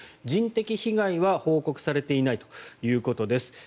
人的被害は報告されていないということです。